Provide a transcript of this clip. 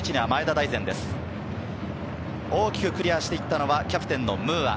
大きくクリアしていったのはキャプテンのムーア。